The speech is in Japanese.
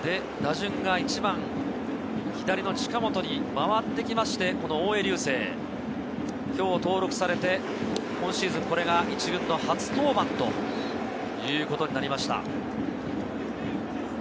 打順が１番、左の近本に回ってきまして、この大江竜聖、今日登録されて、今シーズンこれが１軍の初登板ということになりました。